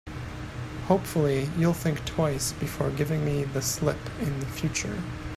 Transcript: Hopefully, you'll think twice before giving me the slip in future.